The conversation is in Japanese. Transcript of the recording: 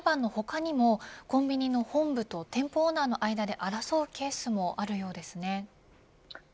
今回の裁判の他にもコンビニの本部と店舗オーナーの間で争うケースもあるようですね。